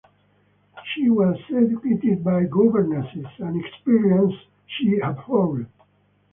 She was educated by governesses, an experience she abhorred.